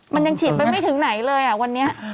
มันยังฉีดไปไม่ถึงไหนเลยอ่ะวันนี้